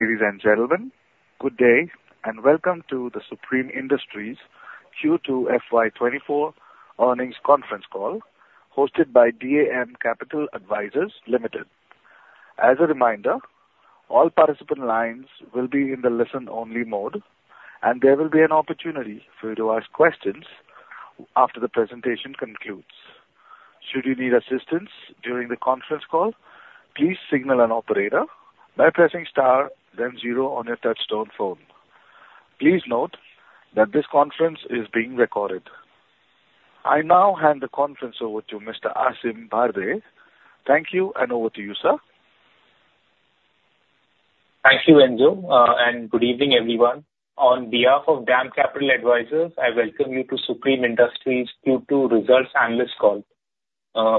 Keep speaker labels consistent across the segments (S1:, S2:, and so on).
S1: Ladies and gentlemen, good day, and welcome to the Supreme Industries Q2 FY24 earnings conference call, hosted by DAM Capital Advisors Limited. As a reminder, all participant lines will be in the listen-only mode, and there will be an opportunity for you to ask questions after the presentation concludes. Should you need assistance during the conference call, please signal an operator by pressing star then zero on your touch-tone phone. Please note that this conference is being recorded. I now hand the conference over to Mr. Aseem Bhardwaj. Thank you, and over to you, sir.
S2: Thank you, Enzo, and good evening, everyone. On behalf of DAM Capital Advisors, I welcome you to Supreme Industries Q2 results analyst call.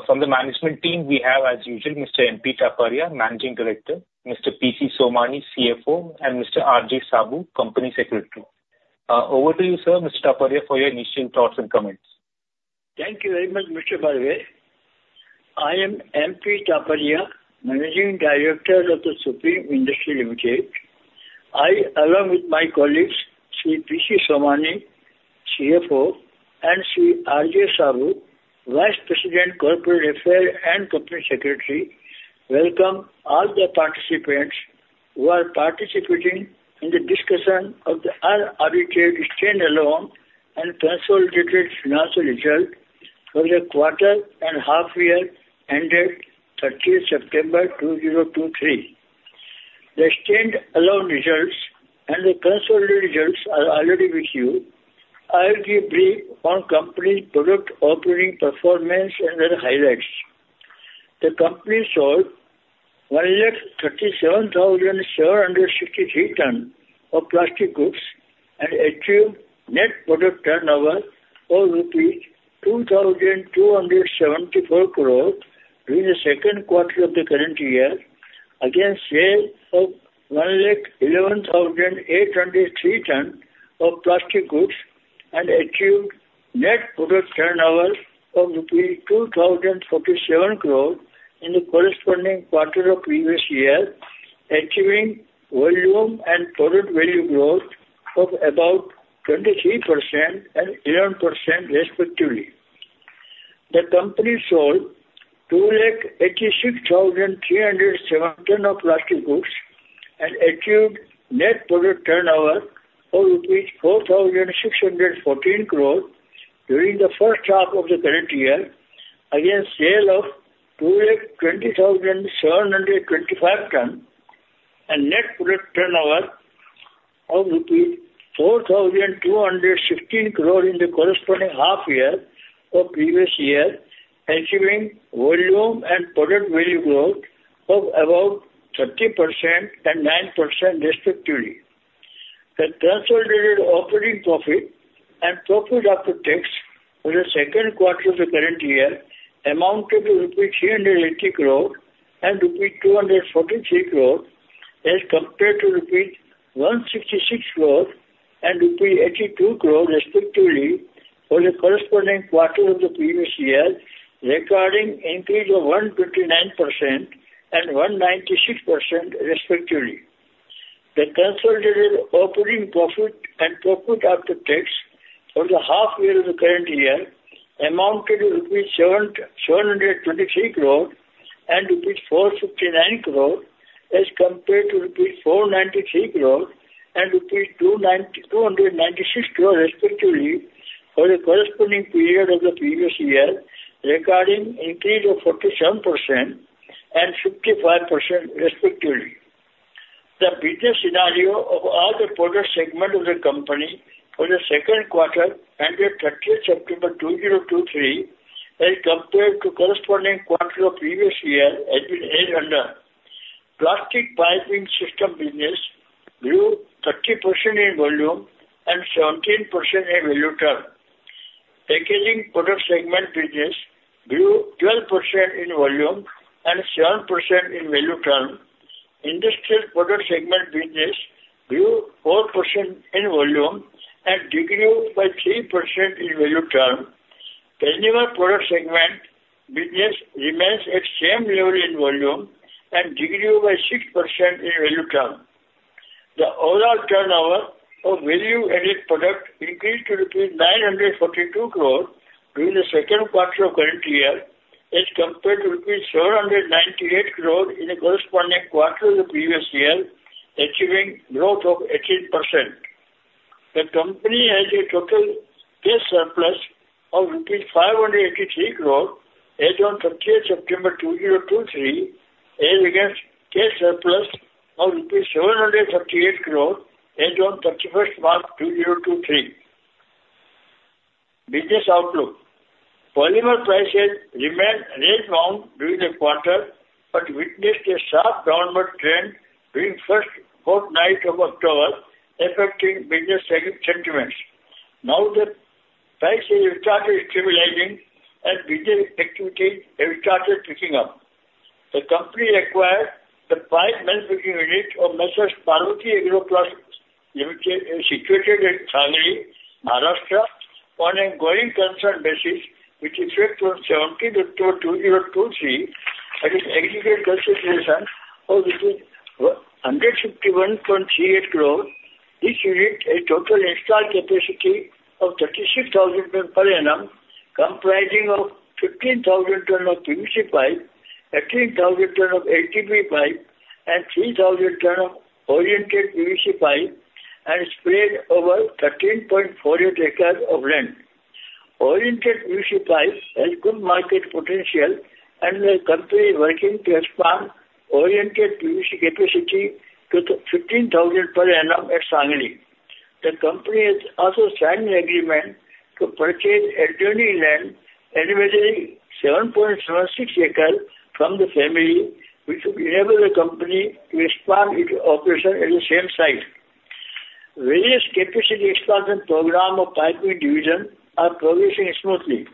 S2: From the management team, we have, as usual, Mr. M.P. Taparia, Managing Director, Mr. P.C. Somani, CFO, and Mr. R.J. Saboo, Company Secretary. Over to you, sir, Mr. Taparia, for your initial thoughts and comments.
S3: Thank you very much, Mr. Bhardwaj. I am M.P. Taparia, Managing Director of Supreme Industries Limited. I, along with my colleagues, Sri P.C. Somani, CFO, and Sri R.J. Sabu, Vice President, Corporate Affairs and Company Secretary, welcome all the participants who are participating in the discussion of the unaudited stand-alone and consolidated financial results for the quarter and half year ended 30th September 2023. The stand-alone results and the consolidated results are already with you. I will give brief on company product operating performance and other highlights. The company sold 137,763 tons of plastic goods and achieved net product turnover of rupees 2,274 crore during the second quarter of the current year, against sale of 111,803 tons of plastic goods and achieved net product turnover of 2,047 crore rupees in the corresponding quarter of previous year, achieving volume and product value growth of about 23% and 11% respectively. The company sold 286,307 tons of plastic goods and achieved net product turnover of rupees 4,614 crore during the first half of the current year, against sale of 220,725 tons and net product turnover of rupees 4,216 crore in the corresponding half year of previous year, achieving volume and product value growth of about 30% and 9% respectively. The consolidated operating profit and profit after tax for the second quarter of the current year amounted to INR 380 crore and INR 243 crore as compared to INR 166 crore and INR 82 crore respectively for the corresponding quarter of the previous year, recording increase of 129% and 196% respectively. The consolidated operating profit and profit after tax for the half year of the current year amounted to rupees 723 crores and rupees 459 crores as compared to rupees 493 crores and rupees 296 crores respectively for the corresponding period of the previous year, recording increase of 47% and 55% respectively. The business scenario of all the product segment of the company for the second quarter ended 30th September 2023, as compared to corresponding quarter of previous year, has been as under: Plastic Piping System business grew 30% in volume and 17% in value term. Packaging Products segment business grew 12% in volume and 7% in value term. Industrial Products segment business grew 4% in volume and decreased by 3% in value term. Consumer Products segment business remains at same level in volume and decreased by 6% in value term. The overall turnover of value added product increased to rupees 942 crore during the second quarter of current year, as compared to rupees 798 crore in the corresponding quarter of the previous year, achieving growth of 18%. The company has a total cash surplus of rupees 583 crore as on thirtieth September 2023, as against cash surplus of INR 738 crore as on thirty-first March 2023. Business outlook. Polymer prices remained range bound during the quarter, but witnessed a sharp downward trend during first fortnight of October, affecting business sentiments. Now the prices have started stabilizing and business activity have started picking up. The company acquired the pipe manufacturing unit of M/s Parvati Agro Plast Situated at Sangli, Maharashtra, on a going concern basis, with effect from 7th October 2023, at its aggregate consideration of which is INR 151.38 crore, this unit a total installed capacity of 36,000 tons per annum, comprising of 15,000 tons of PVC pipe, 18,000 tons of HDPE pipe, and 3,000 tons of oriented PVC pipe, and spread over 13.48 acres of land. Oriented PVC pipes has good market potential, and the company working to expand oriented PVC capacity to 15,000 per annum at Sangli. The company is also signing agreement to purchase adjoining land, amounting 7.76 acres from the family, which will enable the company to expand its operation at the same site. Various capacity expansion program of Piping Division are progressing smoothly.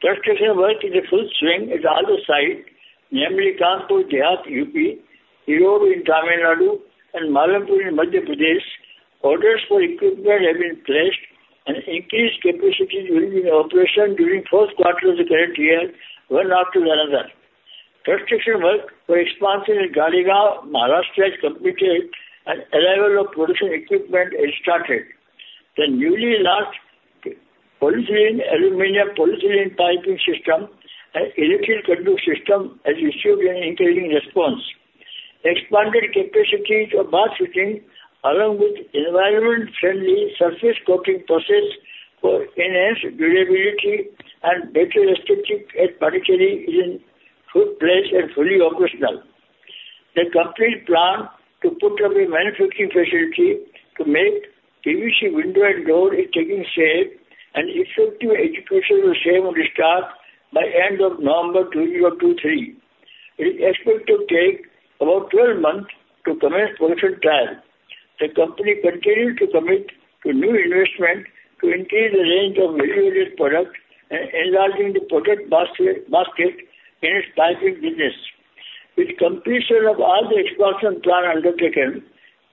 S3: Construction work is in full swing at all the sites, namely Kanpur Dehat, UP, Erode in Tamil Nadu, and Malanpur in Madhya Pradesh. Orders for equipment have been placed, and increased capacity during the operation during fourth quarter of the current year, one after another. Construction work for expansion in Gadegaon, Maharashtra, is completed, and arrival of production equipment has started. The newly launched polyethylene, aluminium polyethylene piping system and electrical conduit system has received an encouraging response. Expanded capacities of bath fitting, along with environment-friendly surface coating process for enhanced durability and better aesthetic, and particularly is in good place and fully operational. The complete plan to put up a manufacturing facility to make PVC window and door is taking shape, and effective execution will soon start by end of November 2023. It is expected to take about 12 months to commence production time. The company continue to commit to new investment to increase the range of value-added product, enlarging the product basket in its piping business. With completion of all the expansion plan undertaken,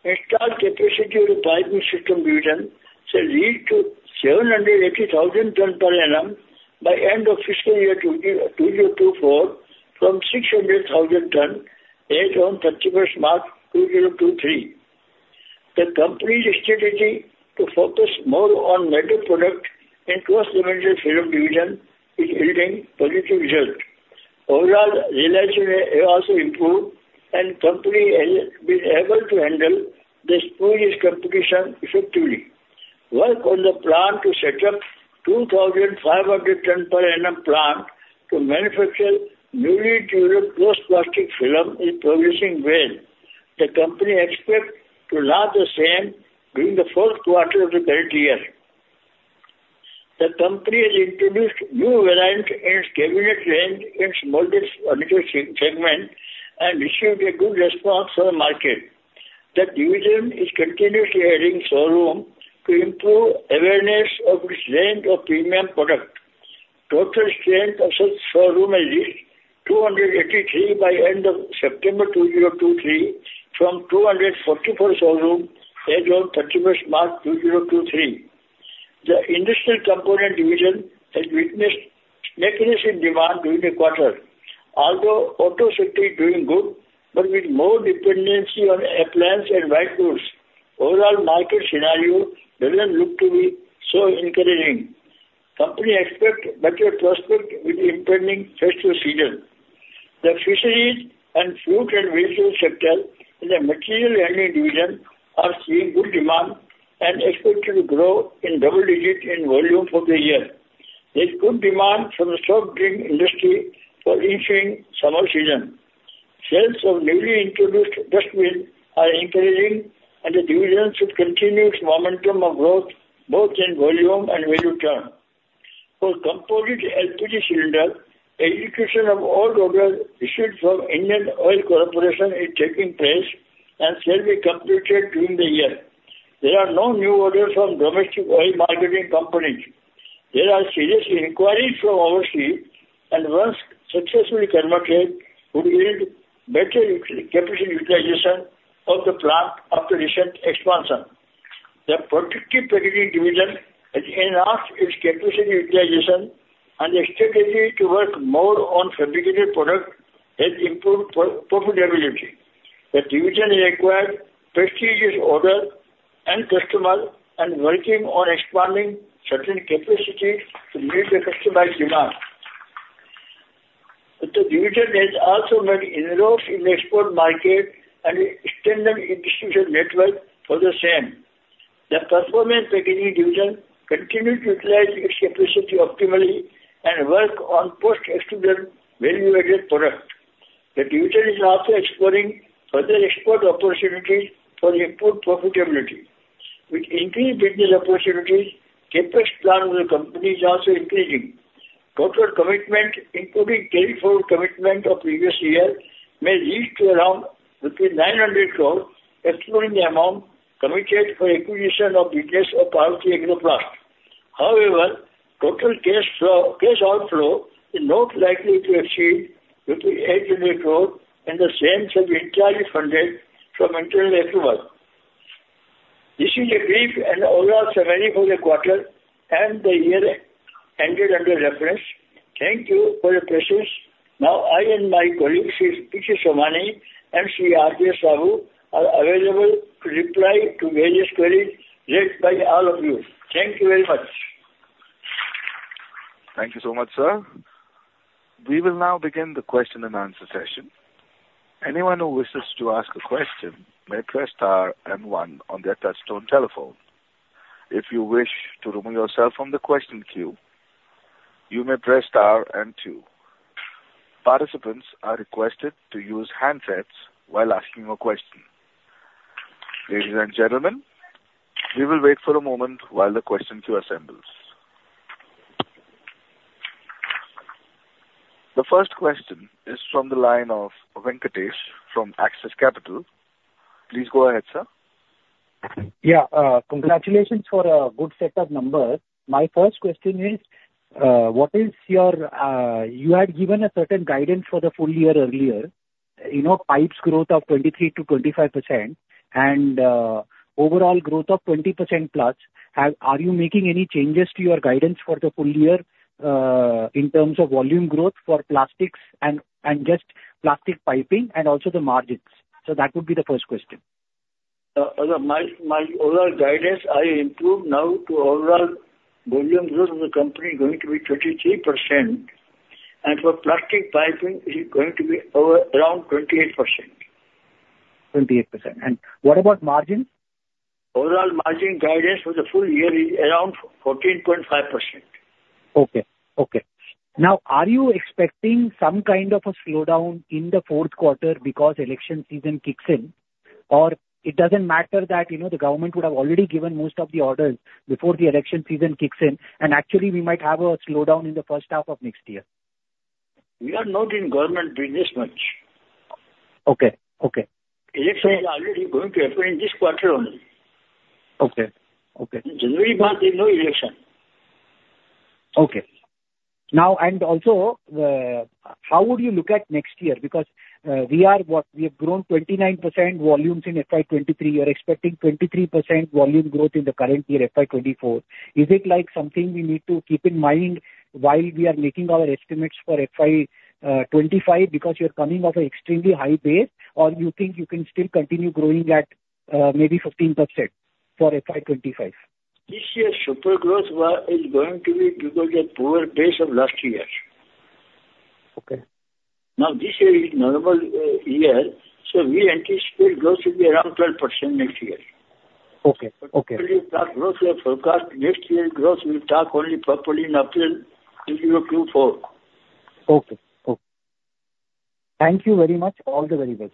S3: installed capacity of the Piping System Division shall lead to 780,000 tons per annum by end of fiscal year 2024, from 600,000 tons, as on March 31, 2023. The company's strategy to focus more on medical product in Cross Laminated Film Division is yielding positive results. Overall, relations have also improved, and company has been able to handle the spurious competition effectively. Work on the plan to set up 2,500 ton per annum plant to manufacture newly durable cross laminated film is progressing well. The company expects to launch the same during the fourth quarter of the current year. The company has introduced new variant in its cabinet range in smaller, smaller sub-segment, and received a good response from the market. The division is continuously adding showroom to improve awareness of this range of premium product. Total strength of such showroom is 283 by end of September 2023, from 244 showrooms as on March 31st, 2023. The Industrial Component Division has witnessed decrease in demand during the quarter. Although auto sector is doing good, but with more dependency on appliance and white goods, overall market scenario doesn't look to be so encouraging. Company expect better prospect with the impending festival season. The fisheries and fruit and vegetable sector in the Material Handling Division are seeing good demand and expected to grow in double digit in volume for the year. There's good demand from the soft drink industry for ensuing summer season. Sales of newly introduced dustbin are encouraging, and the division should continue its momentum of growth, both in volume and value term. For Composite LPG Cylinder, execution of all orders received from Indian Oil Corporation is taking place and shall be completed during the year. There are no new orders from domestic oil marketing companies. There are serious inquiries from overseas, and once successfully converted, would yield better capacity utilization of the plant after recent expansion. The Protective Packaging Division has enhanced its capacity utilization and the strategy to work more on fabricated product has improved profitability. The division has acquired prestigious order and customer, and working on expanding certain capacity to meet the customized demand. The division has also made inroads in the export market and extended distribution network for the same. The Performance Packaging Division continued to utilize its capacity optimally and work on post-extruded value-added product. The division is also exploring further export opportunities for improved profitability. With increased business opportunities, CapEx plan of the company is also increasing. Total commitment, including carry forward commitment of previous year, may lead to around between 900 crore, excluding the amount committed for acquisition of details of Parvati Agro Plastics. However, total cash flow, cash outflow is not likely to exceed 58 crore, and the same shall be entirely funded from internal resources. This is a brief and overall summary for the quarter and the year ended under reference. Thank you for your presence. Now, I and my colleagues, Shri P.C. Somani and Shri R.J. Sabu, are available to reply to various queries raised by all of you. Thank you very much.
S1: Thank you so much, sir. We will now begin the question and answer session. Anyone who wishes to ask a question may press star and one on their touchtone telephone. If you wish to remove yourself from the question queue, you may press star and two. Participants are requested to use handsets while asking a question. Ladies and gentlemen, we will wait for a moment while the question queue assembles. The first question is from the line of Venkatesh from Axis Capital. Please go ahead, sir.
S4: Yeah, congratulations for a good set of numbers. My first question is, what is your... You had given a certain guidance for the full year earlier, you know, pipes growth of 23%-25% and, overall growth of 20%+. Are you making any changes to your guidance for the full year, in terms of volume growth for plastics and, and just plastic piping and also the margins? So that would be the first question.
S3: My overall guidance, I improve now to overall volume growth of the company is going to be 23%, and for plastic piping, it is going to be over around 28%.
S4: 28%. What about margins?
S3: Overall margin guidance for the full year is around 14.5%.
S4: Okay. Okay. Now, are you expecting some kind of a slowdown in the fourth quarter because election season kicks in? Or it doesn't matter that, you know, the government would have already given most of the orders before the election season kicks in, and actually, we might have a slowdown in the first half of next year.
S3: We are not in government business much.
S4: Okay. Okay.
S3: Elections are already going to occur in this quarter only.
S4: Okay. Okay.
S3: In January month, there's no election.
S4: Okay. Now, and also, how would you look at next year? Because, we are what? We have grown 29% volumes in FY 2023. We are expecting 23% volume growth in the current year, FY 2024. Is it like something we need to keep in mind while we are making our estimates for FY, 2025, because you're coming off an extremely high base, or you think you can still continue growing at, maybe 15% for FY 2025?
S3: This year, super growth is going to be because of poor base of last year.
S4: Okay.
S3: Now, this year is normal, so we anticipate growth to be around 12% next year.
S4: Okay. Okay.
S3: Growth, we have forecast next year. Growth, we will talk only properly in April. We'll give you a clue for.
S4: Okay. Okay. Thank you very much. All the very best.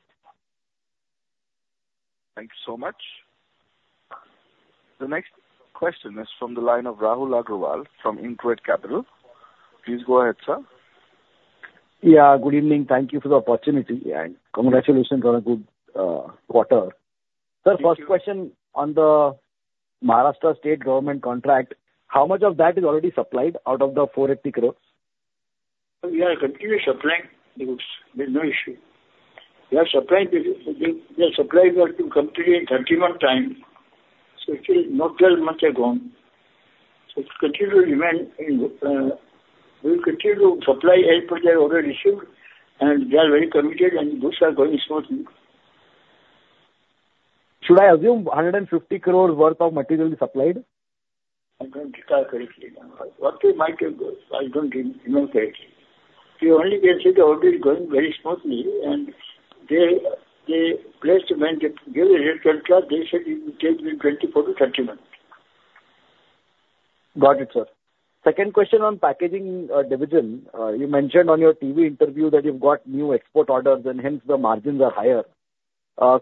S1: Thank you so much. The next question is from the line of Rahul Agrawal from InCred Capital. Please go ahead, sir.
S5: Yeah, good evening. Thank you for the opportunity, and congratulations on a good quarter.
S3: Thank you.
S5: Sir, first question on the Maharashtra state government contract. How much of that is already supplied out of the 480 crore?
S3: We are continuing supplying the goods. There's no issue. We are supplying the supplies were to complete in 31 time, so still not 12 months are gone. So it continue to remain in, we continue to supply as per their order received, and we are very committed, and things are going smoothly.
S5: Should I assume 150 crore worth of material is supplied?
S3: I don't recall correctly now. What it might be, I don't remember correctly. We only can say the order is going very smoothly, and they, they placed when they gave a contract, they said it will take between 24-30 months.
S5: Got it, sir. Second question on packaging, division. You mentioned on your TV interview that you've got new export orders, and hence the margins are higher.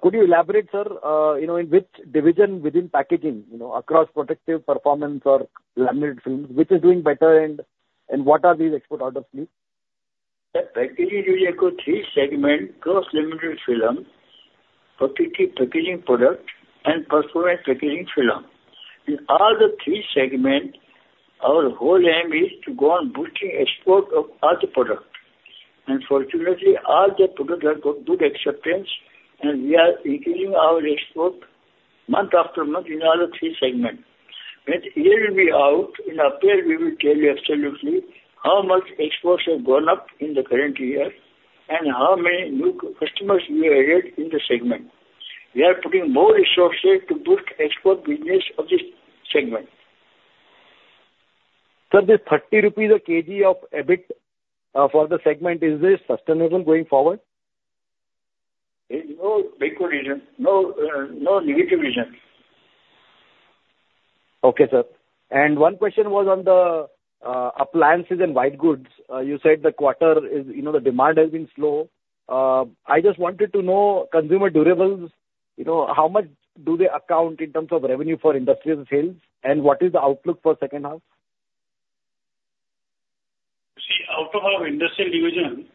S5: Could you elaborate, sir, you know, in which division within packaging, you know, across protective performance or laminate films, which is doing better and, and what are these export orders to you?
S3: The packaging is a three-segment, cross-laminate film, protective packaging product, and performance packaging film. In all the three segment, our whole aim is to go on boosting export of all the product. Fortunately, all the products have got good acceptance, and we are increasing our export month after month in all the three segments. When the year will be out, in April, we will tell you exactly how much exports have gone up in the current year and how many new customers we added in the segment. We are putting more resources to boost export business of this segment.
S5: Sir, this 30 rupees a kg of EBIT, for the segment, is this sustainable going forward?
S3: There's no big reason, no, no negative reason.
S5: Okay, sir. And one question was on the appliances and white goods. You said the quarter is, you know, the demand has been slow. I just wanted to know, consumer durables, you know, how much do they account in terms of revenue for industrial sales, and what is the outlook for second half?
S3: ...Out of our industrial division,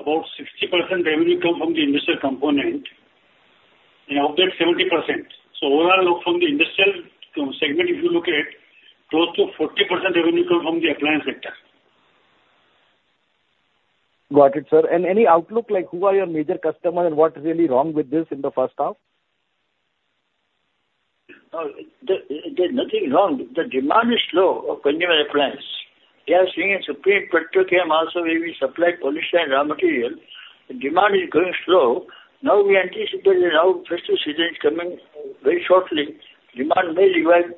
S3: about 60% revenue come from the industrial component, and of that, 70%. So overall, from the industrial, segment, if you look at, close to 40% revenue come from the appliance sector.
S5: Got it, sir. Any outlook, like, who are your major customer, and what is really wrong with this in the first half?
S3: There's nothing wrong. The demand is low of consumer appliance. We are seeing in Supreme Petrochem also, we supply polystyrene and raw material. The demand is growing slow. Now we anticipate that now festive season is coming very shortly, demand may revive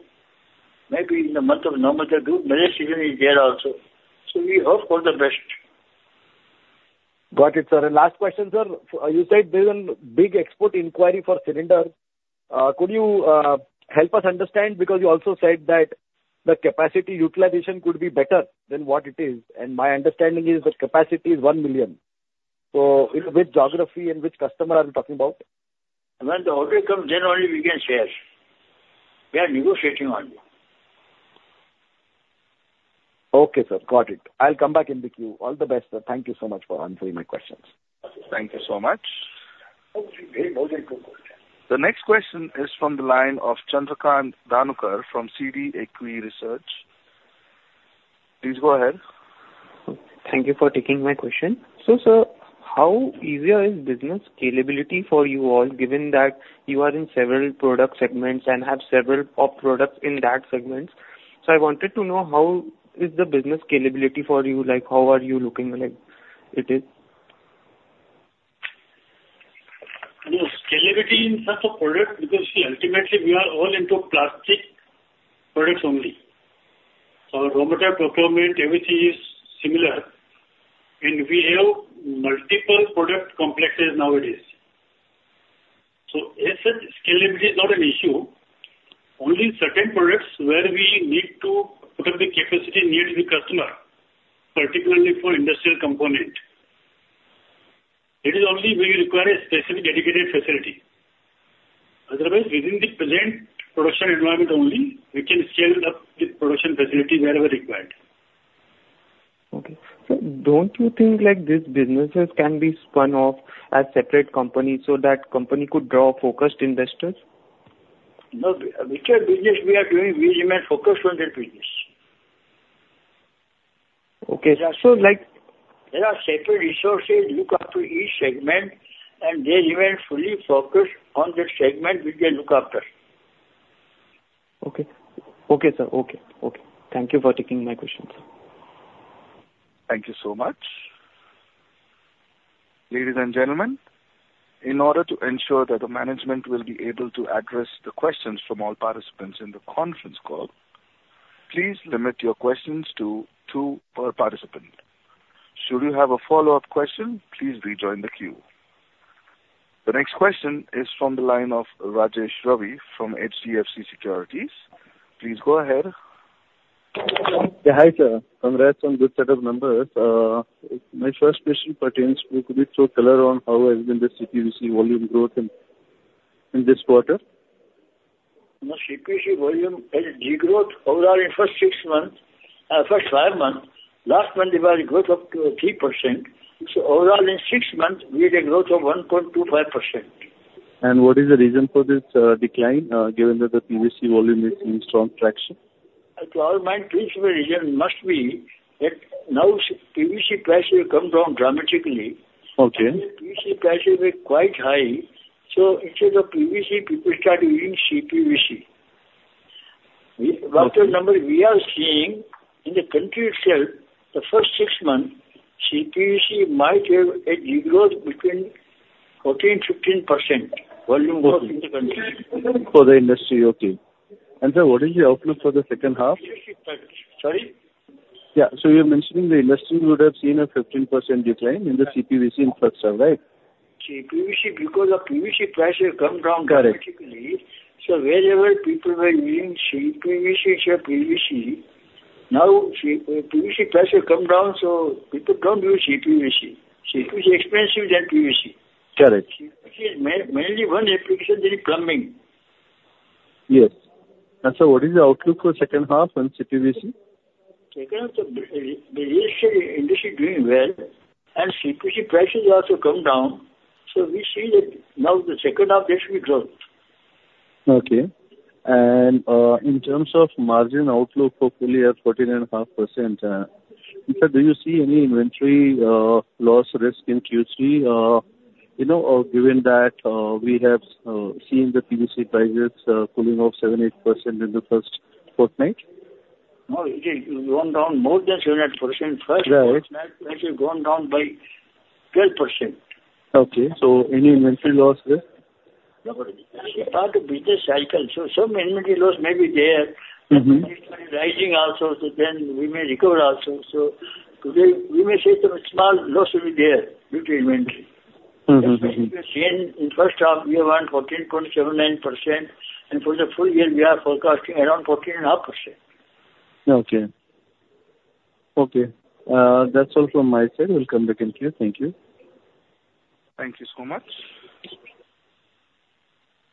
S3: maybe in the month of November, December. Season is there also, so we hope for the best.
S5: Got it, sir. Last question, sir: so you said there's a big export inquiry for cylinder. Could you help us understand? Because you also said that the capacity utilization could be better than what it is, and my understanding is that capacity is one million. So which geography and which customer are we talking about?
S3: When the order comes, then only we can share. We are negotiating only.
S5: Okay, sir. Got it. I'll come back in the queue. All the best, sir. Thank you so much for answering my questions.
S3: Thank you so much. Okay, very welcome.
S1: The next question is from the line of Chandrakant Dhanuka from CD Equisearch. Please go ahead.
S6: Thank you for taking my question. So, sir, how easier is business scalability for you all, given that you are in several product segments and have several of products in that segments? So I wanted to know, how is the business scalability for you, like, how are you looking like it is?
S3: Yes, scalability in terms of product, because ultimately we are all into plastic products only. So raw material procurement, everything is similar, and we have multiple product complexes nowadays. So as such, scalability is not an issue, only certain products where we need to put up the capacity near the customer, particularly for industrial component. It is only we require a specific dedicated facility. Otherwise, within the present production environment only, we can scale up the production facility wherever required.
S6: Okay. Sir, don't you think, like, these businesses can be spun off as separate companies so that company could draw focused investors?
S3: No, whichever business we are doing, we remain focused on that business.
S6: Okay, sir. So, like
S3: There are separate resources look after each segment, and they remain fully focused on the segment which they look after.
S6: Okay. Okay, sir. Okay, okay. Thank you for taking my question, sir.
S1: Thank you so much. Ladies and gentlemen, in order to ensure that the management will be able to address the questions from all participants in the conference call, please limit your questions to two per participant. Should you have a follow-up question, please rejoin the queue. The next question is from the line of Rajesh Ravi from HDFC Securities. Please go ahead.
S7: Yeah, hi, sir. Congrats on good set of numbers. My first question pertains to, could you throw color on how has been the CPVC volume growth in this quarter?
S3: No, CPVC volume has degrowth overall in first six months, first five months. Last month, we were growth up to 3%. So overall, in six months, we had a growth of 1.25%.
S7: What is the reason for this decline, given that the PVC volume is in strong traction?
S3: To our mind, principal reason must be that now PVC price will come down dramatically.
S7: Okay.
S3: PVC prices were quite high, so instead of PVC, people started using CPVC.
S7: Okay.
S3: After number, we are seeing in the country itself, the first six months, CPVC might have a degrowth between 14%-15% volume growth in the country.
S7: For the industry, okay. Sir, what is the outlook for the second half?
S3: Sorry?
S7: Yeah. So you're mentioning the industry would have seen a 15% decline in the CPVC in first half, right?
S3: CPVC, because of PVC price have come down dramatically.
S7: Correct.
S3: Wherever people were using CPVC or PVC, now CPVC prices have come down, so people don't use CPVC. CPVC is expensive than PVC.
S7: Correct.
S3: PVC, mainly one application, the plumbing.
S7: Yes. And sir, what is the outlook for second half on CPVC?
S3: Second half, the industry doing well, and CPVC prices have also come down, so we see that now the second half, there should be growth.
S7: Okay. In terms of margin outlook for full year, 14.5%, sir, do you see any inventory loss risk in Q3? You know, given that we have seen the PVC prices pulling off 7-8% in the first fortnight.
S3: No, it is gone down more than 7%-8%.
S7: Right.
S3: First, it has gone down by 12%.
S7: Okay, so any inventory loss there?
S3: No, it's part of business cycle, so some inventory loss may be there.
S7: Mm-hmm.
S3: Rising also, so then we may recover also. So today, we may say some small loss will be there due to inventory.
S7: Mm-hmm, mm-hmm.
S3: In first half, we around 14.79%, and for the full year, we are forecasting around 14.5%.
S7: Okay. Okay, that's all from my side. Will come back in queue. Thank you.
S1: Thank you so much...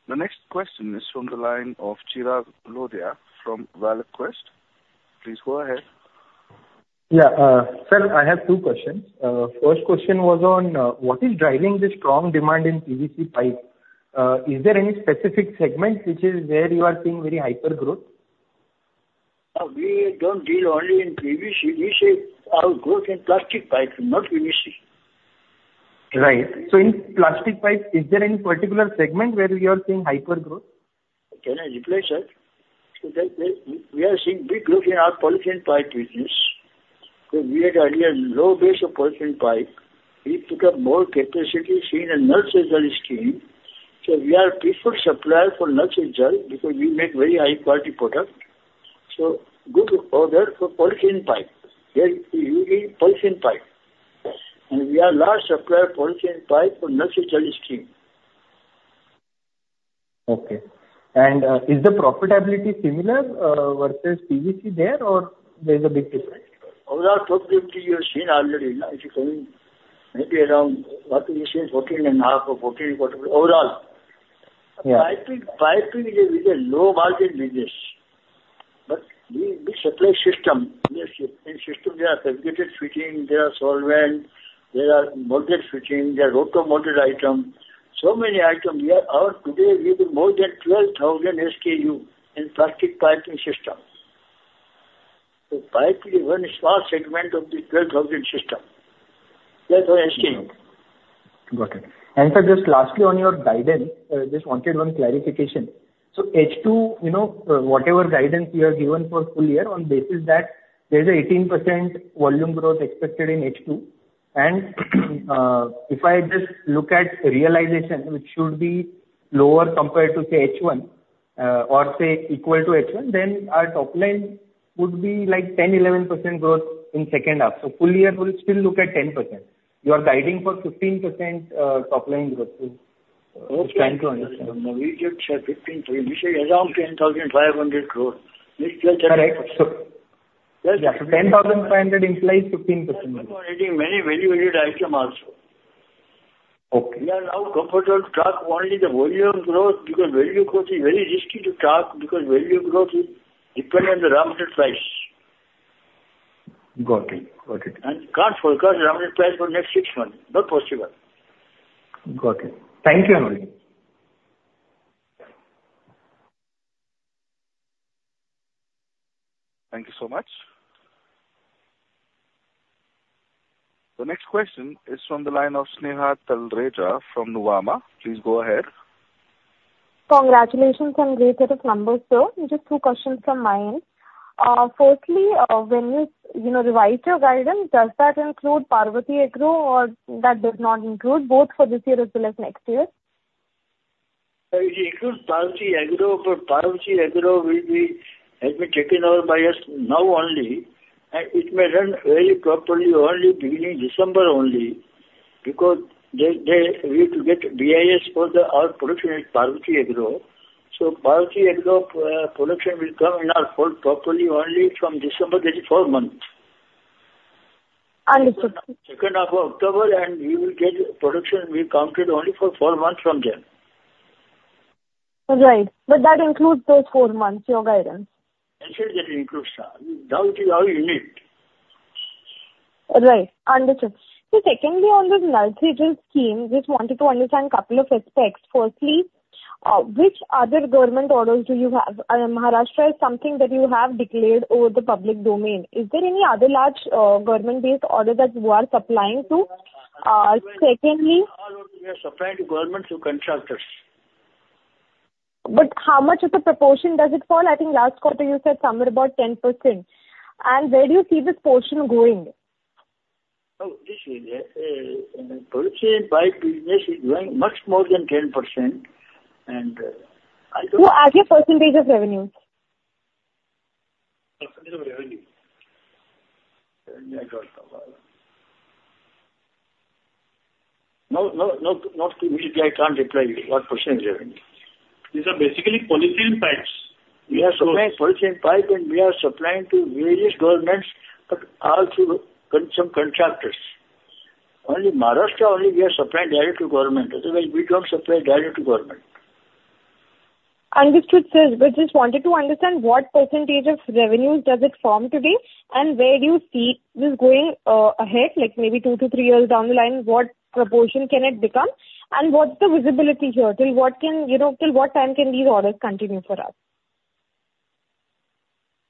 S1: The next question is from the line of Chirag Lodha from ValueQuest. Please go ahead.
S8: Yeah, sir, I have two questions. First question was on, what is driving the strong demand in PVC pipe? Is there any specific segment which is where you are seeing very hyper growth?
S3: We don't deal only in PVC. We see our growth in plastic pipe, not PVC.
S8: Right. So in plastic pipe, is there any particular segment where you are seeing hyper growth?
S3: Can I reply, sir? So that there, we are seeing big growth in our polythene pipe business. So we had earlier low base of polythene pipe. We put up more capacity seen in Jal scheme. So we are preferred supplier for Jal, because we make very high quality product. So good order for polythene pipe, yeah, we need polythene pipe, and we are large supplier of polythene pipe for Jal scheme.
S8: Okay. And, is the profitability similar, versus PVC there, or there's a big difference?
S3: Overall profitability you have seen already, now if you coming maybe around what we in 14.5 or 14, whatever, overall.
S8: Yeah.
S3: Piping, piping is a very low margin business. But we, we supply system. In system, there are segregated fitting, there are solvent, there are molded fitting, there are roto molded item. So many items, we are out today with more than 12,000 SKU in plastic piping system. So pipe is one small segment of the 12,000 system. That's our SKU.
S8: Got it. And sir, just lastly on your guidance, just wanted one clarification. So H2, you know, whatever guidance you have given for full year on basis that there's a 18% volume growth expected in H2. And, if I just look at realization, which should be lower compared to, say, H1, or say equal to H1, then our top line would be like 10%-11% growth in second half. So full year will still look at 10%. You are guiding for 15% top line growth. Just trying to understand.
S3: Okay. We said 15%, we say around INR 10,500 crore.
S8: Correct. So yeah, so 10,500 implies 15%.
S3: We are adding many value-added items also.
S8: Okay.
S3: We are now comfortable to track only the volume growth, because value growth is very risky to track, because value growth is dependent on the raw material price.
S8: Got it. Got it.
S3: Can't forecast the raw material price for next six months, not possible.
S8: Got it. Thank you.
S1: Thank you so much. The next question is from the line of Sneha Talreja from Nuvama. Please go ahead.
S9: Congratulations on great set of numbers, sir. Just two questions from my end. Firstly, when you, you know, revise your guidance, does that include Parvati Agro or that does not include both for this year as well as next year?
S3: It includes Parvati Agro, but Parvati Agro will be, has been taken over by us now only, and it may run very properly only beginning December only. Because we need to get BIS for the, our production at Parvati Agro. So Parvati Agro production will come in our fold properly only from December, that is four months.
S9: Understood.
S3: Second half of October, and we will get production will be counted only for four months from then.
S9: Right. But that includes those four months, your guidance?
S3: I said that includes, now it is our unit.
S9: Right. Understood. So secondly, on this Jal scheme, just wanted to understand a couple of aspects. Firstly, which other government orders do you have? Maharashtra is something that you have declared over the public domain. Is there any other large, government-based order that you are supplying to? Secondly-
S3: We are supplying to government through contractors. How much of the proportion does it fall? I think last quarter you said somewhere about 10%. Where do you see this portion going? Oh, this is purchase by business is growing much more than 10%, and I don't-
S9: No, as a percentage of revenue. Percentage of revenue.
S3: I don't know. No, no, not, not immediately, I can't reply you what percentage revenue.
S9: These are basically polythene pipes.
S3: We are supplying polythene pipe, and we are supplying to various governments, but all through some contractors. Only Maharashtra, only we are supplying direct to government, otherwise we don't supply direct to government.
S9: Understood, sir. But just wanted to understand what percentage of revenue does it form today, and where do you see this going, ahead, like maybe 2-3 years down the line, what proportion can it become? And what's the visibility here? Till what can, you know, till what time can these orders continue for us?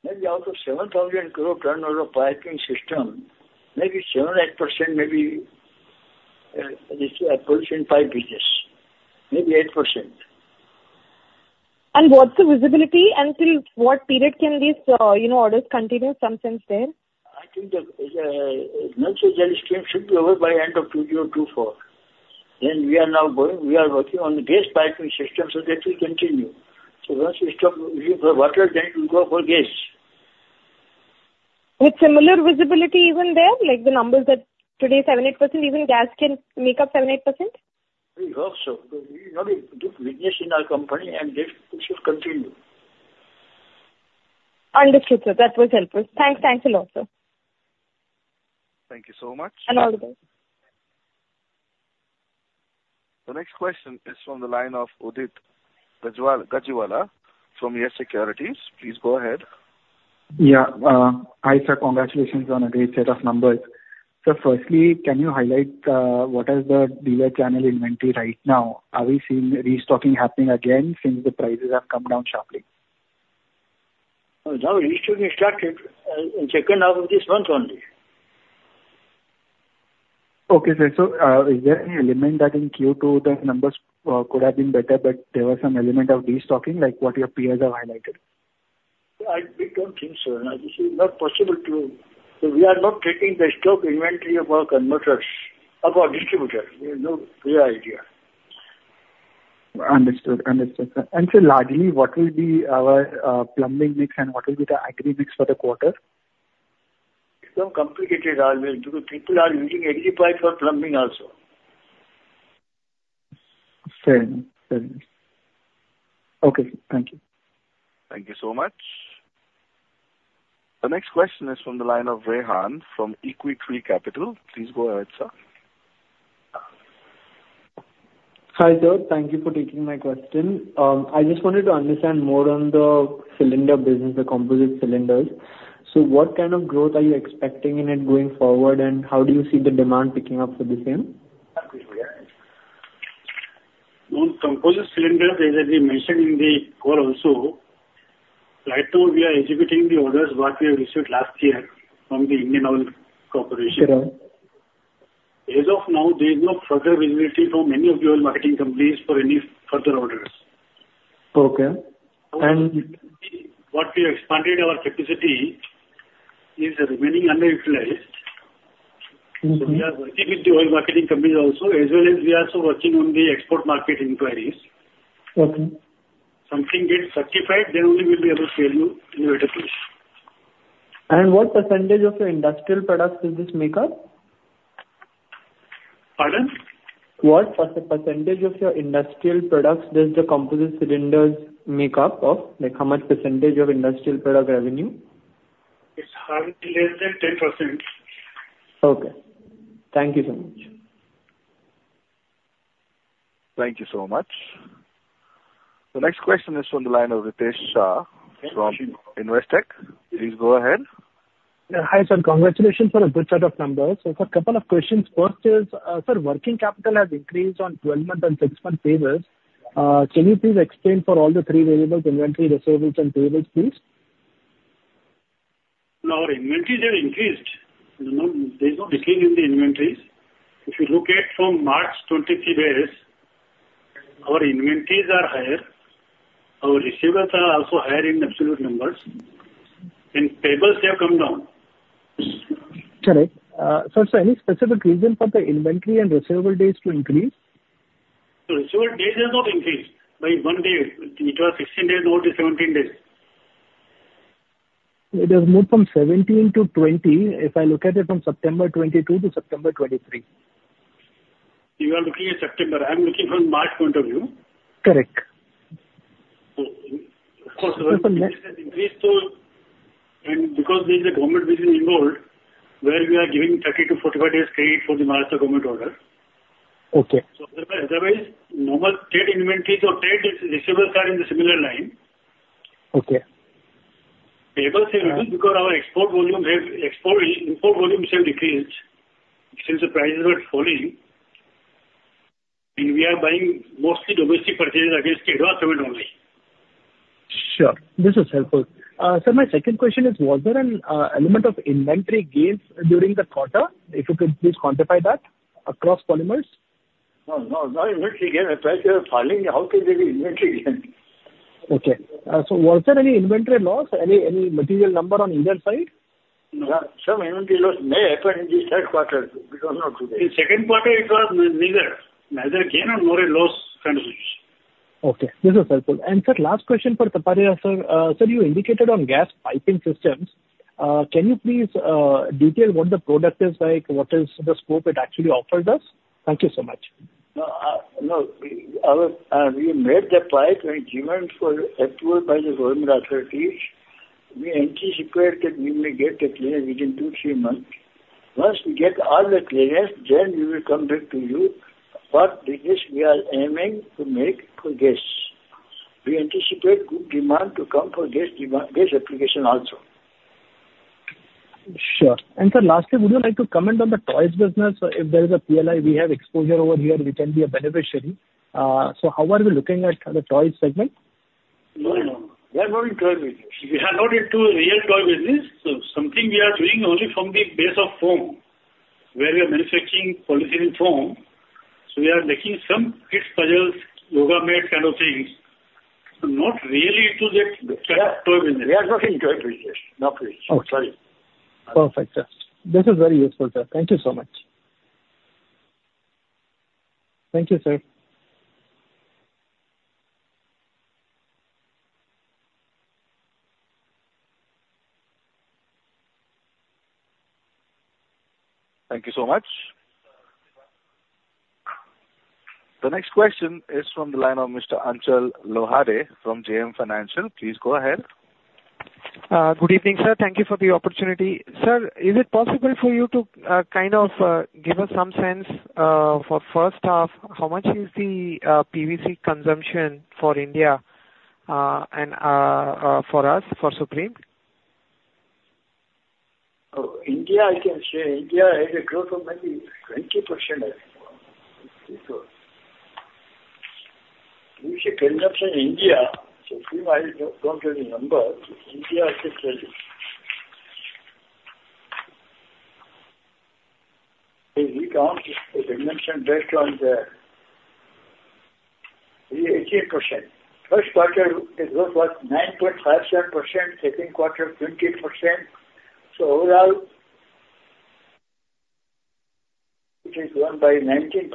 S3: Maybe out of 7,000 crore turnover of piping system, maybe 7%-8% may be this polythene pipe business, maybe 8%.
S9: What's the visibility, and till what period can these, you know, orders continue, some sense there?
S3: I think the Jal scheme should be over by end of 2024. Then we are working on the gas piping system, so that will continue. So once we stop using for water, then we go for gas.
S9: With similar visibility even there, like the numbers that today, 7%-8%, even gas can make up 7%-8%?
S3: We hope so, because we have a good business in our company, and this it should continue.
S10: ...Understood, sir. That was helpful. Thanks, thanks a lot, sir.
S9: Thank you so much.
S10: All the best.
S1: The next question is from the line of Udit Gajiwala from Yes Securities. Please go ahead.
S11: Yeah. Hi, sir. Congratulations on a great set of numbers. So firstly, can you highlight what is the dealer channel inventory right now? Are we seeing restocking happening again since the prices have come down sharply?
S3: No, restocking started in second half of this month only.
S11: Okay, sir. So, is there any element that in Q2 the numbers could have been better, but there was some element of destocking like what your peers have highlighted?
S3: We don't think so. This is not possible to... We are not taking the stock inventory of our converters or our distributors. We have no clear idea.
S11: Understood. Understood, sir. And sir, largely, what will be our, plumbing mix, and what will be the agri mix for the quarter?
S3: It's so complicated now because people are using HDPE pipe for plumbing also.
S11: Fairly. Fairly. Okay, thank you.
S1: Thank you so much. The next question is from the line of Rehan from Equitree Capital. Please go ahead, sir.
S12: Hi, sir. Thank you for taking my question. I just wanted to understand more on the cylinder business, the composite cylinders. So what kind of growth are you expecting in it going forward, and how do you see the demand picking up for the same?
S3: On composite cylinders, as I mentioned in the call also, right now we are executing the orders what we have received last year from the Indian Oil Corporation.
S12: Correct.
S3: As of now, there is no further visibility from any of the oil marketing companies for any further orders.
S12: Okay. And-
S3: What we expanded, our capacity is remaining underutilized.
S12: Mm-hmm.
S3: We are working with the oil marketing companies also, as well as we are also working on the export market inquiries.
S12: Okay.
S3: Something gets certified, then only we'll be able to tell you in the better position.
S12: What percentage of your Industrial Products does this make up?
S3: Pardon?
S12: What percentage of your industrial products does the composite cylinders make up of? Like, how much percentage of industrial product revenue?
S3: It's hardly less than 10%.
S12: Okay. Thank you so much.
S1: Thank you so much. The next question is from the line of Ritesh Shah from Investec. Please go ahead.
S13: Yeah. Hi, sir. Congratulations on a good set of numbers. So a couple of questions. First is, sir, working capital has increased on 12-month and 6-month tables. Can you please explain for all the 3 variables, inventory, receivables, and payables, please?
S3: No, our inventories have increased. No, there's no decline in the inventories. If you look at from March 23 days, our inventories are higher, our receivables are also higher in absolute numbers, and payables have come down.
S13: Correct. Sir, any specific reason for the inventory and receivable days to increase?
S3: The receivable days have not increased. By one day, it was 16 days, now it is 17 days.
S14: It has moved from 17-20, if I look at it from September 2022 to September 2023.
S3: You are looking at September. I'm looking from March point of view.
S13: Correct.
S3: Of course, income has increased so, and because there's a government business involved, where we are giving 30-45 days credit for the Maharashtra government order.
S13: Okay.
S3: Otherwise, normal trade inventories or trade receivables are in the similar line.
S13: Okay.
S3: Payables are reduced because our export volume, export, import volumes have decreased since the prices were falling, and we are buying mostly domestic purchases against the government only.
S13: Sure. This is helpful. Sir, my second question is, was there an element of inventory gains during the quarter? If you could please quantify that across polymers.
S3: No, no. No inventory gain. If prices are falling, how can there be inventory gain?
S13: Okay. So was there any inventory loss, any material number on either side?
S3: No. Some inventory loss may happen in the third quarter. We don't know today. In second quarter, it was neither gain nor loss kind of situation.
S13: Okay. This is helpful. And sir, last question for Taparia, sir. Sir, you indicated on gas piping systems. Can you please detail what the product is like? What is the scope it actually offered us? Thank you so much.
S3: No, we made the pipe, and demands were approved by the government authorities. We anticipate that we may get the clearance within 2-3 months. Once we get all the clearance, then we will come back to you what business we are aiming to make for gas. We anticipate good demand to come for gas demand, gas application also.
S13: Sure. Sir, lastly, would you like to comment on the toys business if there is a PLI? We have exposure over here, we can be a beneficiary. So how are we looking at the toys segment?
S3: No, no. We are not in toy business.
S10: We are not into real toy business. So something we are doing only from the base of foam, where we are manufacturing polyethylene foam, so we are making some kids' puzzles, yoga mat kind of things, but not really into the toy business.
S3: We are not in toy business. Not really.
S13: Okay.
S3: Sorry.
S13: Perfect, sir. This is very useful, sir. Thank you so much. Thank you, sir....
S1: Thank you so much. The next question is from the line of Mr. Achal Lohade from JM Financial. Please go ahead.
S15: Good evening, sir. Thank you for the opportunity. Sir, is it possible for you to kind of give us some sense for first half, how much is the PVC consumption for India and for us, for Supreme?
S3: Oh, India, I can say India has a growth of maybe 20%, I think. You see, consumption India, so I don't have the number. India, I can tell you. We count the dimension based on the 18%. First quarter, the growth was 9.57%, second quarter, 20%. So overall, it is grown by 19%,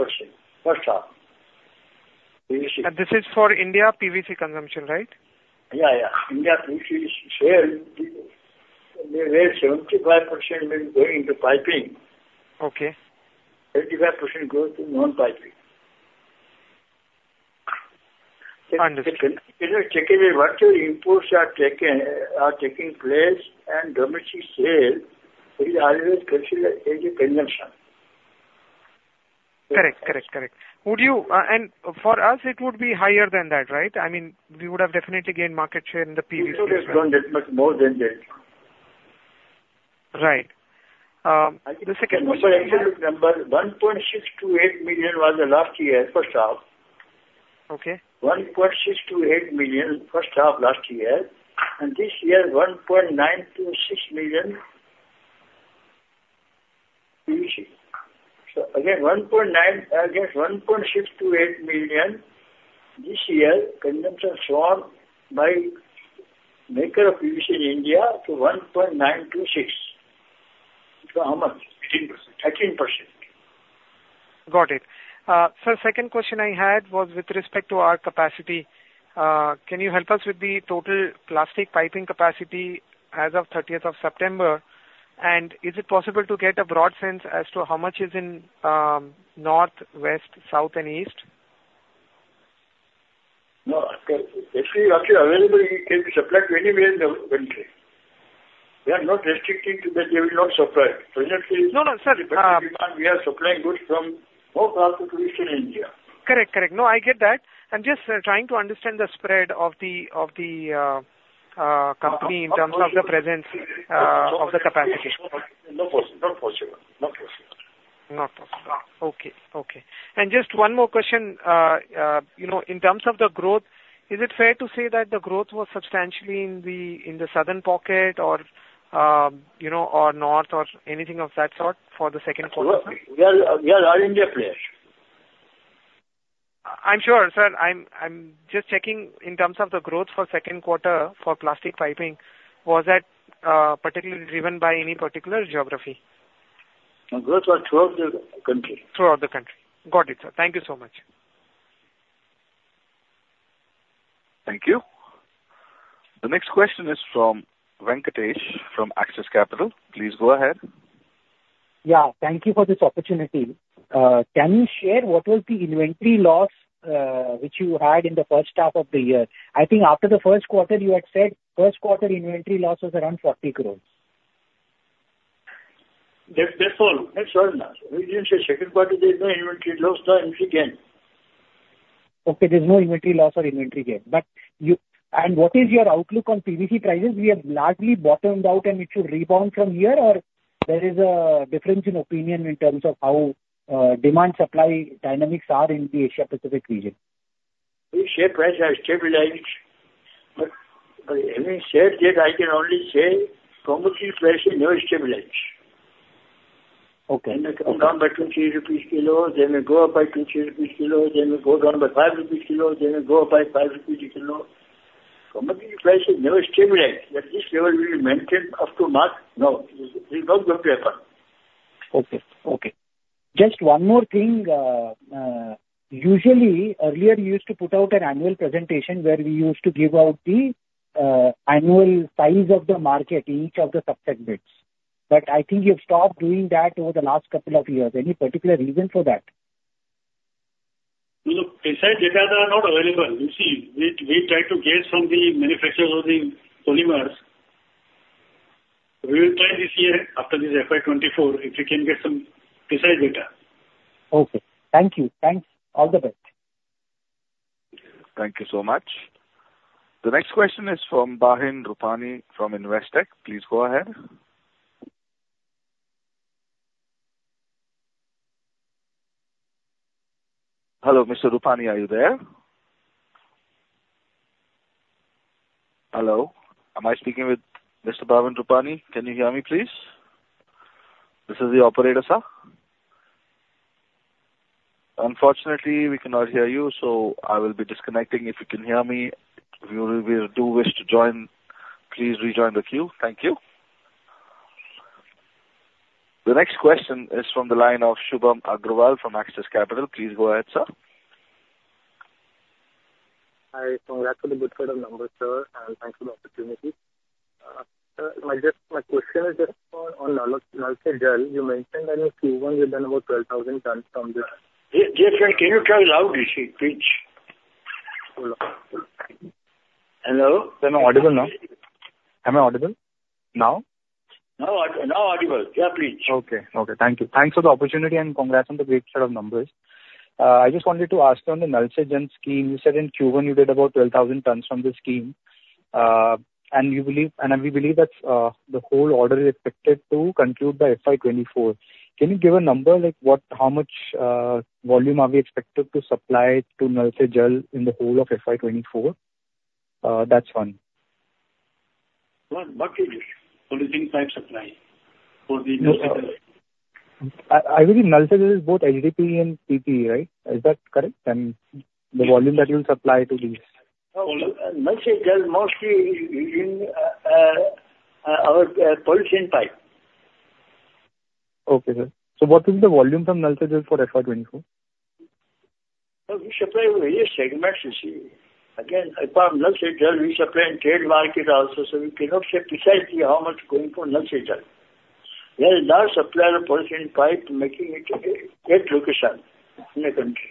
S3: first half.
S2: This is for India PVC consumption, right?
S3: Yeah, yeah. India PVC share, where 75% will going into piping.
S15: Okay.
S3: 35% growth in non-piping.
S15: Understood.
S3: If you check what your imports are taken, are taking place and domestic sales, it is always considered as a consumption.
S15: Correct. Correct, correct. Would you, and for us, it would be higher than that, right? I mean, we would have definitely gained market share in the PVC.
S3: It would have grown that much more than that.
S15: Right. The second question
S3: 1.628 million was the last year first half.
S15: Okay.
S3: 1.628 million, first half last year, and this year, 1.926 million PVC. So again, 1.9, again, 1.628 million this year, consumption sworn by maker of PVC in India to 1.926. So how much? 18%. 13%.
S15: Got it. So second question I had was with respect to our capacity. Can you help us with the total plastic piping capacity as of thirtieth of September? And is it possible to get a broad sense as to how much is in north, west, south, and east?
S3: No, actually, available can be supplied to anywhere in the country. We are not restricting to that. They will not supply. Presently
S15: No, no, sir.
S3: We are supplying goods from all parts of India.
S14: Correct, correct. No, I get that. I'm just trying to understand the spread of the company in terms of the presence of the capacity.
S3: Not possible. Not possible.
S15: Not possible.
S3: No.
S15: Okay. Okay. Just one more question. You know, in terms of the growth, is it fair to say that the growth was substantially in the, in the southern pocket or, you know, or north or anything of that sort for the second quarter?
S3: We are all India players.
S15: I'm sure, sir. I'm just checking in terms of the growth for second quarter for plastic piping, was that particularly driven by any particular geography?
S3: No, growth was throughout the country.
S15: Throughout the country. Got it, sir. Thank you so much.
S1: Thank you. The next question is from Venkatesh, from Axis Capital. Please go ahead.
S16: Yeah, thank you for this opportunity. Can you share what was the inventory loss, which you had in the first half of the year? I think after the first quarter, you had said first quarter inventory loss was around 40 crore.
S3: That, that's all. That's all. We didn't say second quarter, there's no inventory loss, no inventory gain.
S4: Okay, there's no inventory loss or inventory gain. But you... And what is your outlook on PVC prices? We have largely bottomed out, and it should rebound from here, or there is a difference in opinion in terms of how demand, supply dynamics are in the Asia Pacific region.
S3: Our share prices are stabilized, but having said that, I can only say commodity prices never stabilize.
S4: Okay.
S3: They may come down by 20 rupees/kilo, they may go up by 20 rupees/kilo, they may go down by 5 rupees/kilo, they may go up by 5 rupees/kilo. Commodity prices never stabilize, that this level will maintain up to mark. No, it's not going to happen.
S16: Okay. Okay. Just one more thing. Usually, earlier you used to put out an annual presentation where we used to give out the annual size of the market, each of the subset bits. But I think you've stopped doing that over the last couple of years. Any particular reason for that?
S3: Look, precise data are not available. You see, we try to get from the manufacturers of the polymers. We will try this year, after this FY 2024, if we can get some precise data.
S16: Okay. Thank you. Thanks. All the best.
S1: Thank you so much. The next question is from Bhavin Rupani, from Investec. Please go ahead. Hello, Mr. Rupani, are you there? Hello, am I speaking with Mr. Bhavin Rupani? Can you hear me, please? This is the operator, sir. Unfortunately, we cannot hear you, so I will be disconnecting. If you can hear me, and you wish to join, please rejoin the queue. Thank you. The next question is from the line of Shubham Agrawal from Axis Capital. Please go ahead, sir....
S17: Congrats on the good set of numbers, sir, and thanks for the opportunity. Sir, my question is just on, on Jal Jeevan. You mentioned that in Q1 you've done about 12,000 tons from the-
S3: Yes, yes. Can you talk loudly? Please. Hello?
S17: Am I audible now? Am I audible now?
S3: Now audible. Yeah, please.
S17: Okay. Okay, thank you. Thanks for the opportunity, and congrats on the great set of numbers. I just wanted to ask you on the Jal Jeevan Mission. You said in Q1 you did about 12,000 tons from the scheme. And you believe, and we believe that, the whole order is expected to conclude by FY 2024. Can you give a number, like, what, how much, volume are we expected to supply to Jal Jeevan in the whole of FY 2024? That's one.
S3: What, what is it? Polyethylene pipe supply for the Jal Jeevan?
S17: I believe Nalco Se Jal is both HDPE and PE, right? Is that correct? Is the volume that you supply to these?
S3: No, Jal Jeevan Mission is mostly in our polyethylene pipe.
S17: Okay, sir. So what is the volume from Jal Jeevan for FY 2024?
S3: We supply various segments, you see. Again, apart from Nalco Se Jal, we supply in trade market also, so we cannot say precisely how much going for Nalco Se Jal. We are a large supplier of polyethylene pipe, making it at eight locations in the country.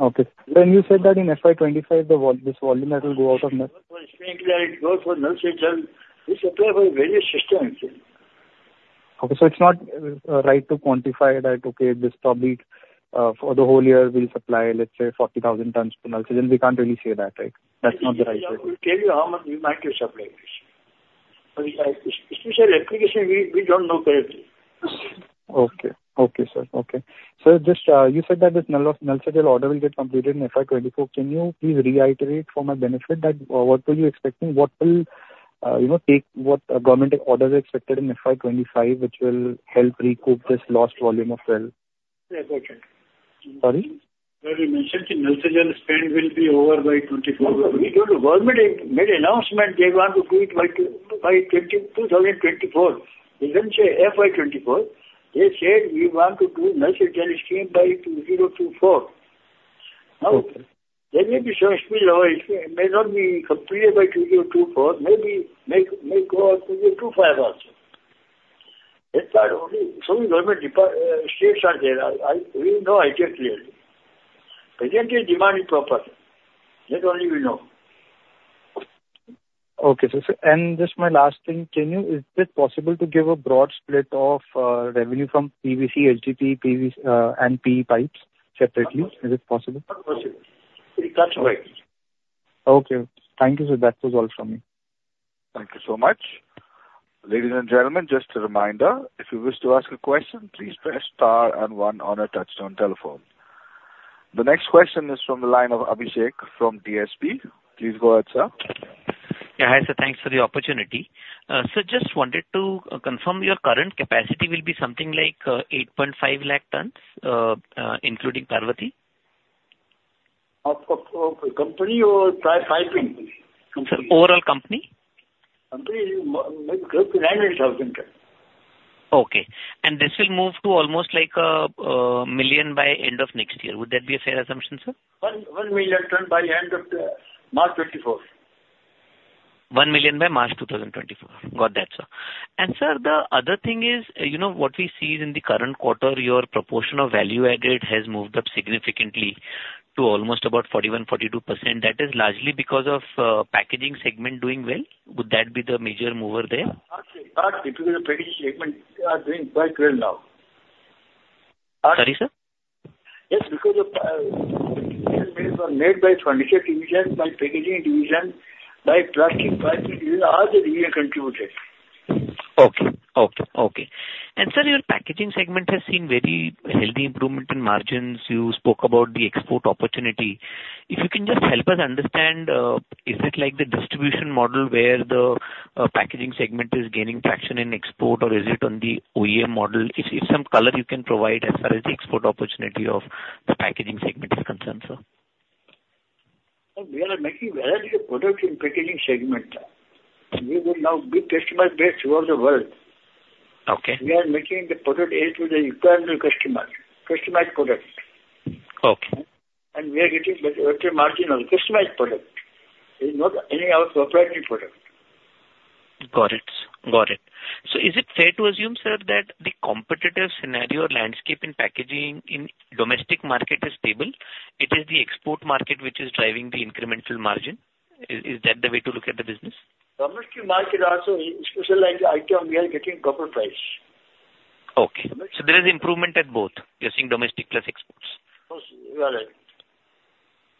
S17: Okay. When you said that in FY 25, this volume that will go out of Jal Jeevan.
S3: For instance, like both for Nalco Se Jal, we supply for various systems.
S17: Okay, so it's not right to quantify that, okay, this probably for the whole year we'll supply, let's say, 40,000 tons to Jal Jeevan Mission. We can't really say that, right? That's not the right way.
S3: We tell you how much we might be supplying this. But, it's a specific application we don't know clearly.
S17: Okay, sir. Okay. So just, you said that this Jal Jeevan, Jal Jeevan order will get completed in FY 2024. Can you please reiterate for my benefit that what will you expecting? What will, you know, take, what government orders expected in FY 2025, which will help recoup this lost volume of Jal?
S3: Yeah, okay.
S17: Sorry? Sir, you mentioned the Jal Jeevan spend will be over by 2024.
S3: We told the government made announcement they want to do it by 2024. They didn't say FY 2024. They said, "We want to do Jal Jeevan Mission by 2024.
S17: Okay.
S3: Now, there may be some spillover. It may not be completed by 2024. Maybe may go on to 2025 also. That's why only some government depart-, states are there. I we know it clearly. But they demand it properly, then only we know.
S18: Okay, so and just my last thing, can you give a broad split of revenue from PVC, HDPE, O-PVC, and PE pipes separately? Is it possible?
S3: That's right.
S17: Okay, thank you, sir. That was all from me.
S1: Thank you so much. Ladies and gentlemen, just a reminder, if you wish to ask a question, please press star and one on your touchtone telephone. The next question is from the line of Abhishek from DSP. Please go ahead, sir.
S14: Yeah, hi, sir, thanks for the opportunity. So just wanted to confirm your current capacity will be something like 8.5 lakh tons, including Parvati?
S3: Company or pipe, piping company?
S14: Sir, overall company.
S3: Company, maybe close to 900,000 tons.
S14: Okay, and this will move to almost like million by end of next year. Would that be a fair assumption, sir?
S3: 1.1 million ton by end of March 2024.
S14: 1 million by March 2024. Got that, sir. And sir, the other thing is, you know, what we see is in the current quarter, your proportion of value added has moved up significantly to almost about 41%-42%. That is largely because of packaging segment doing well. Would that be the major mover there?
S3: Partly, partly because the packaging segment are doing quite well now.
S14: Sorry, sir?
S3: Yes, because of made by furniture division, by packaging division, by trucking division, all the division contributed.
S14: Okay. Okay, okay. And sir, your packaging segment has seen very healthy improvement in margins. You spoke about the export opportunity. If you can just help us understand, is it like the distribution model where the packaging segment is gaining traction in export, or is it on the OEM model? If some color you can provide as far as the export opportunity of the packaging segment is concerned, sir.
S3: We are making various products in packaging segment. We will now be customer base throughout the world.
S14: Okay.
S3: We are making the product as to the requirement of the customer, customized product.
S14: Okay.
S3: We are getting better margin on customized product. It's not any of our proprietary product.
S14: Got it. Got it. So is it fair to assume, sir, that the competitive scenario or landscape in packaging in domestic market is stable, it is the export market which is driving the incremental margin? Is, is that the way to look at the business?
S3: Domestic market also, especially like item, we are getting proper price.
S13: Okay. So there is improvement at both. You're seeing domestic plus exports?
S3: Yes, you are right.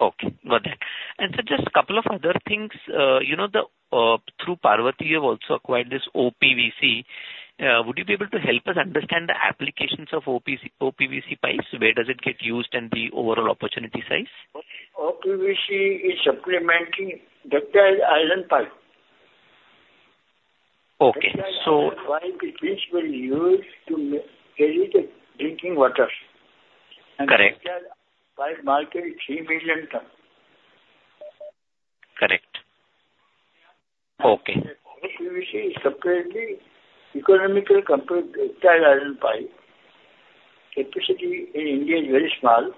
S14: Okay, got that. And so just a couple of other things, you know, the, through Parvati, you've also acquired this O-PVC. Would you be able to help us understand the applications of O-PVC pipes? Where does it get used and the overall opportunity size?
S3: O-PVC is supplementing the iron pipe.
S14: Okay, so-
S3: Pipe which will use to carry the drinking water.
S14: Correct.
S3: Pipe market, 3 million tons....
S14: Okay.
S3: O-PVC is completely economical compared to ductile iron pipe. Capacity in India is very small,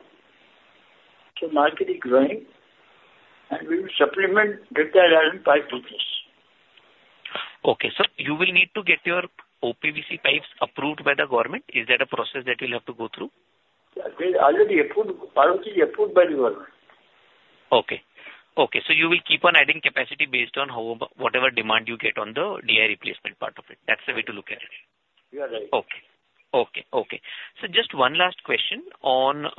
S3: so market is growing, and we will supplement ductile iron pipe to this.
S14: Okay, sir, you will need to get your O-PVC pipes approved by the government. Is that a process that you'll have to go through?
S3: They're already approved. Parvati approved by the government.
S14: Okay. Okay, so you will keep on adding capacity based on whatever demand you get on the DI replacement part of it. That's the way to look at it.
S3: You are right.
S14: Okay. Okay, okay. So just one last question on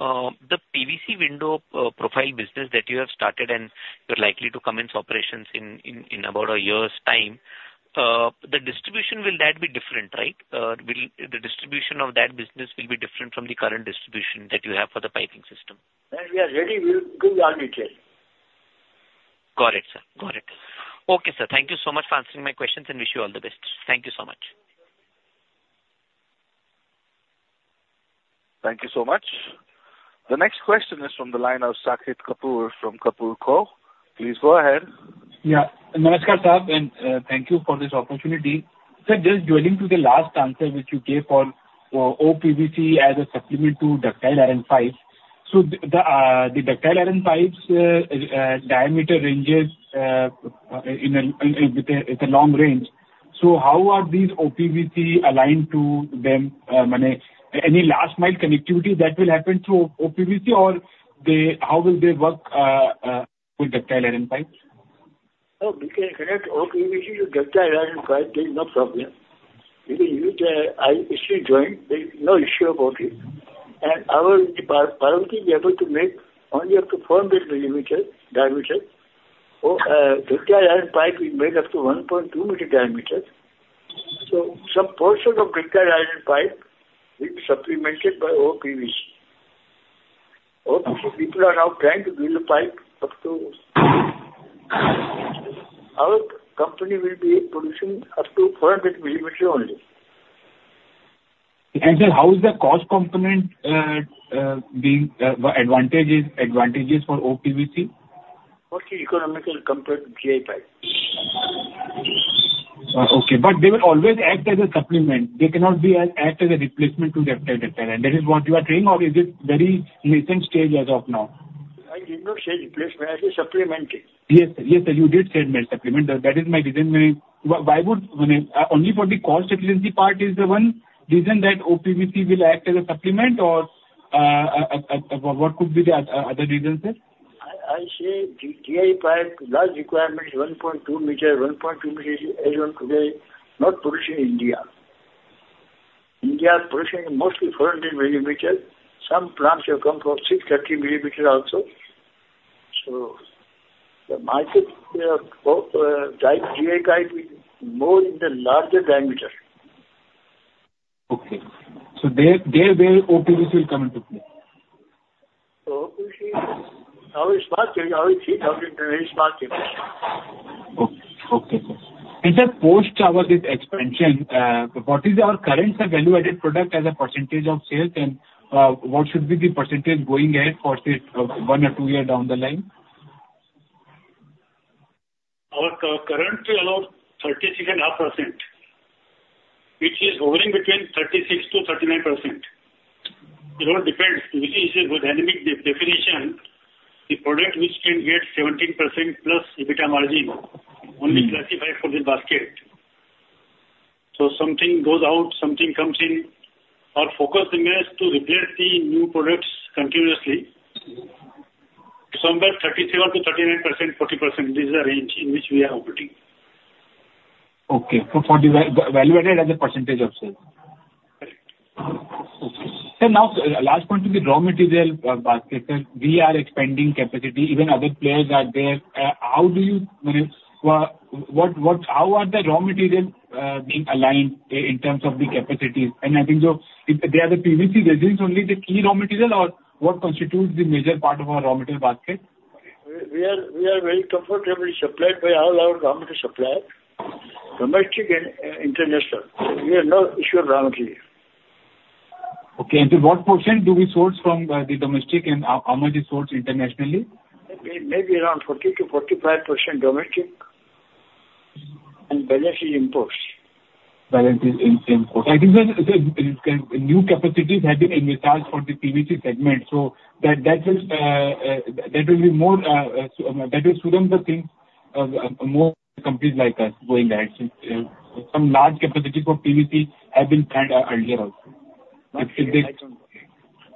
S14: the PVC window profile business that you have started and you're likely to commence operations in about a year's time. The distribution, will that be different, right? Will the distribution of that business will be different from the current distribution that you have for the piping system?
S3: When we are ready, we will give all details.
S14: Got it, sir. Got it. Okay, sir, thank you so much for answering my questions, and wish you all the best. Thank you so much.
S1: Thank you so much. The next question is from the line of Saket Kapoor from Kapoor & Company. Please go ahead.
S19: Yeah. Namaskar, sir, and thank you for this opportunity. Sir, just dwelling on the last answer which you gave on O-PVC as a supplement to ductile iron pipes. So the ductile iron pipes diameter ranges. It's a long range. So how are these O-PVC aligned to them? Any last mile connectivity that will happen through O-PVC, or they... How will they work with ductile iron pipes?
S3: Oh, we can connect O-PVC to ductile iron pipe, there's no problem. Because you can, I still join, there's no issue about it. And our department is able to make only up to 400 mm diameter, or, ductile iron pipe is made up to 1.2 m diameter. So some portion of ductile iron pipe is supplemented by O-PVC. O-PVC, people are now trying to build a pipe up to. Our company will be producing up to 400 mm only.
S19: Sir, how is the cost component being advantages for O-PVC?
S3: O-PVC economical compared to DI pipe.
S19: Okay. But they will always act as a supplement. They cannot be as, act as a replacement to ductile iron. That is what you are saying, or is it very nascent stage as of now?
S3: I did not say replacement, I said supplemented.
S19: Yes, yes, sir, you did say supplement. That is my reason. Why, why would, I mean, only for the cost efficiency part is the one reason that O-PVC will act as a supplement or, what could be the other reasons, sir?
S3: I say the DI pipe, large requirement is 1.2 meter. 1.2 meter, everyone today not produce in India. India is producing mostly 400 millimeter. Some plants have come for 630 millimeter also. So the market for GI pipe is more in the larger diameter.
S19: Okay. So there O-PVC will come into play.
S3: So O-PVC, our small scale, our very small scale.
S19: Okay. Okay, sir. And, sir, post our this expansion, what is our current value-added product as a percentage of sales? And, what should be the percentage going ahead for, say, one or two year down the line?
S3: Our current is around 36.5%, which is hovering between 36%-39%. It all depends, which is a dynamic definition, the product which can get 17%+ EBITDA margin only classified for the basket. So something goes out, something comes in. Our focus remains to replace the new products continuously. Somewhere 37%-39%, 40%, this is the range in which we are operating.
S19: Okay. So for the value-added as a % of sales?
S3: Correct.
S19: Okay. Sir, now, last point will be raw material basket. We are expanding capacity, even other players are there. How do you, I mean, what, what, how are the raw material being aligned in terms of the capacity? And I think the, they are the PVC resins, only the key raw material or what constitutes the major part of our raw material basket?
S3: We are very comfortably supplied by all our raw material suppliers, domestic and international. We have no issue of raw material.
S2: Okay, and what portion do we source from the domestic and how much is sourced internationally?
S3: Maybe around 40%-45% domestic, and the rest is imports.
S19: The rest is imports. I think the new capacities have been installed for the PVC segment, so that will be more, that will suit them the things, more companies like us going ahead. Some large capacity for PVC have been planned earlier also.
S3: I don't know.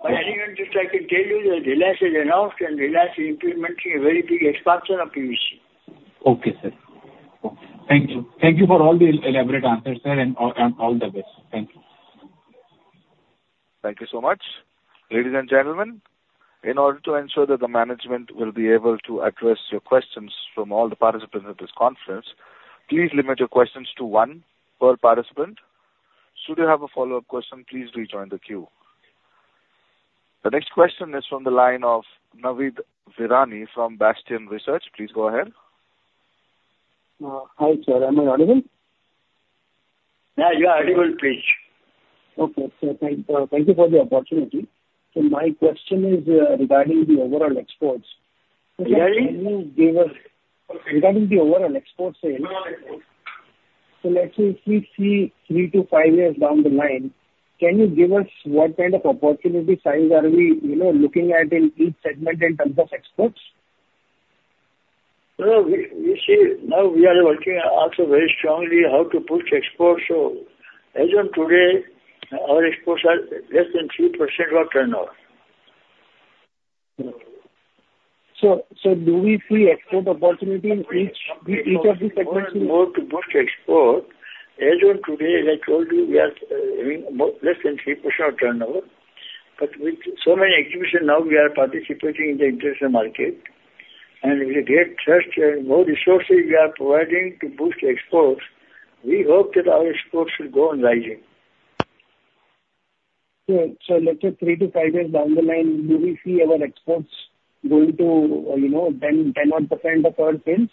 S3: But anyone, just I can tell you that Reliance has announced and Reliance is implementing a very big expansion of PVC.
S19: Okay, sir. Thank you. Thank you for all the elaborate answers, sir, and all, and all the best. Thank you.
S1: Thank you so much. Ladies and gentlemen, in order to ensure that the management will be able to address your questions from all the participants at this conference, please limit your questions to one per participant. Should you have a follow-up question, please rejoin the queue. The next question is from the line of Navid Virani from Bastion Research. Please go ahead.
S20: Hi, sir. Am I audible?
S3: Yeah, you are audible, please.
S4: Okay, sir, thank you for the opportunity. So my question is regarding the overall exports.
S3: Yeah.
S4: Can you give us regarding the overall export sales?
S3: No, I know.
S4: Let's say we see 3-5 years down the line, can you give us what kind of opportunity size are we, you know, looking at in each segment in terms of exports?
S3: Well, we see now we are working also very strongly how to push exports. So as of today, our exports are less than 3% of turnover.
S4: So, do we see export opportunity in each of these segments?
S3: More to boost export. As of today, as I told you, we are less than 3% of turnover, but with so many exhibitions now we are participating in the international market, and we get trust and more resources we are providing to boost exports. We hope that our exports will go on rising.
S4: So, let's say 3-5 years down the line, do we see our exports going to, you know, 10% of our sales?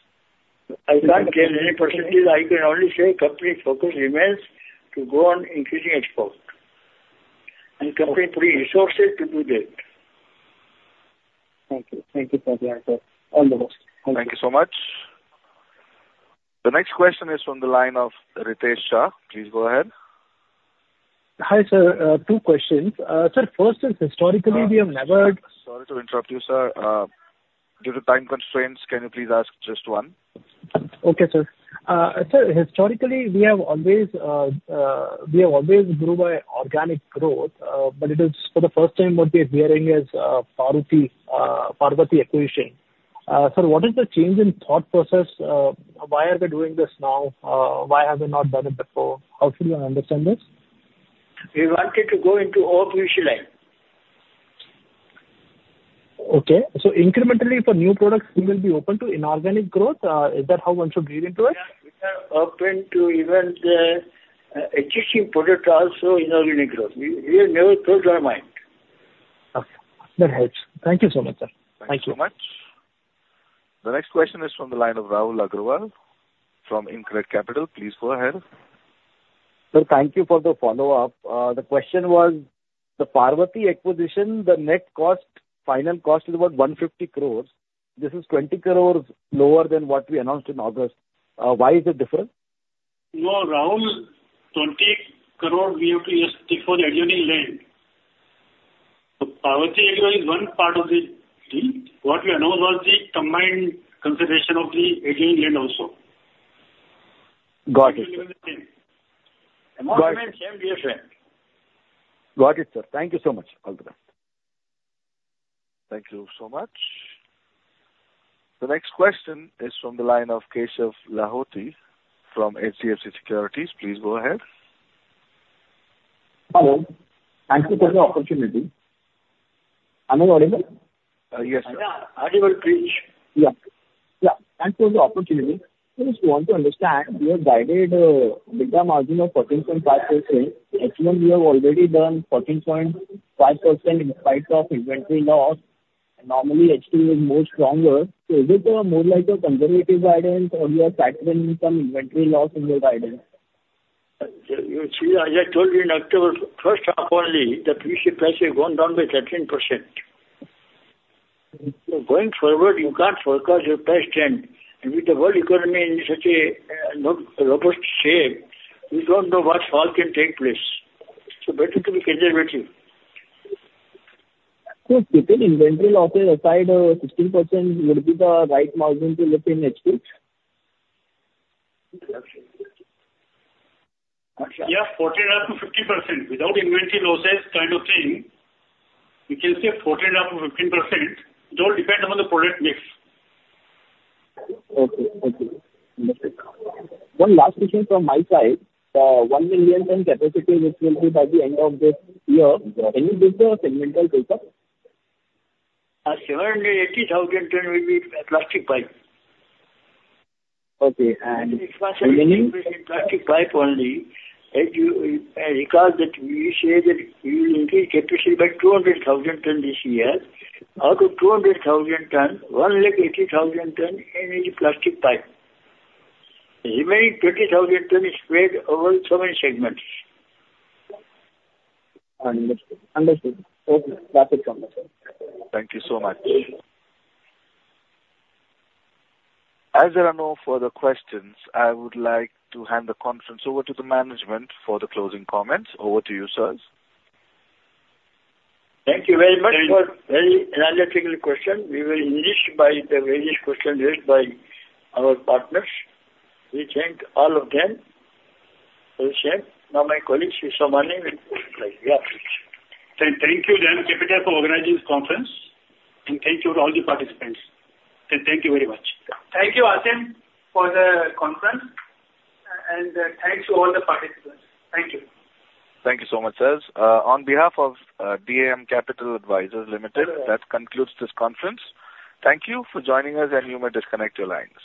S3: I can't give any percentages. I can only say company focus remains to go on increasing export. Company put resources to do that.
S4: Thank you. Thank you for the answer. All the best.
S1: Thank you so much. The next question is from the line of Ritesh Shah. Please go ahead.
S14: Hi, sir. Two questions. Sir, first is historically, we have never-
S1: Sorry to interrupt you, sir. Due to time constraints, can you please ask just one?
S14: Okay, sir. Sir, historically, we have always, we have always grew by organic growth, but it is for the first time what we are hearing is, Parvati, Parvati acquisition. Sir, what is the change in thought process? Why are we doing this now? Why have we not done it before? How should we understand this?
S3: We wanted to go into all new line.
S14: Okay. So incrementally for new products, we will be open to inorganic growth? Is that how one should read into it?
S3: We are open to even the existing product, also inorganic growth. We, we have never closed our mind.
S14: Okay. That helps. Thank you so much, sir.
S1: Thank you so much. The next question is from the line of Rahul Agrawal from InCred Capital. Please go ahead.
S5: Sir, thank you for the follow-up. The question was the Parvati acquisition, the net cost, final cost is about 150 crore. This is 20 crore lower than what we announced in August. Why is it different?
S3: No, Rahul, 20 crore we have to stick for the adjoining land. So Parvati acquisition is one part of the deal. What we announced was the combined consideration of the adjoining land also.
S5: Got it, sir.
S3: Amount remains same, dear friend.
S5: Got it, sir. Thank you so much. All the best.
S1: Thank you so much. The next question is from the line of Keshav Lahoti from HDFC Securities. Please go ahead.
S21: Hello. Thank you for the opportunity. Am I audible?
S1: Uh, yes.
S3: Yeah. Audible, please.
S21: Yeah. Yeah, thanks for the opportunity. So just want to understand, we have guided EBITDA margin of 14.5%. H1, we have already done 14.5% in spite of inventory loss. Normally, H2 is more stronger. So is it a more like a conservative guidance or you have factored in some inventory loss in your guidance?
S3: You see, as I told you in October, first half only, the PVC price has gone down by 13%. Going forward, you can't forecast your past trend. And with the world economy in such a, not robust shape, we don't know what fall can take place. So better to be conservative.
S21: Keeping inventory losses aside, 16% would be the right margin to look in H2?
S3: Yeah, 14%-15%. Without inventory losses kind of thing, we can say 14%-15%. It all depends on the product mix.
S21: Okay. Okay. Understood. One last question from my side: 1 million ton capacity, which will be by the end of this year, can you give the segmental breakup?
S3: 70,000-80,000 tons will be plastic pipe.
S21: Okay, and remaining?
S3: Plastic pipe only. As you recall that we say that we increase capacity by 200,000 tons this year. Out of 200,000 tons, 180,000 tons is in the plastic pipe. The remaining 20,000 tons is spread over so many segments.
S21: Understood. Understood. Okay, that's it from my side.
S1: Thank you so much. As there are no further questions, I would like to hand the conference over to the management for the closing comments. Over to you, sirs.
S3: Thank you very much for very analytical question. We were enriched by the various questions raised by our partners. We thank all of them for the same. Now, my colleague, Shri Somani will close the line. Yeah, please.
S4: Thank you, DAM Capital, for organizing this conference, and thank you to all the participants. Thank you very much.
S3: Thank you, Aasim, for the conference, and thanks to all the participants. Thank you.
S1: Thank you so much, sirs. On behalf of DAM Capital Advisors Limited, that concludes this conference. Thank you for joining us, and you may disconnect your line.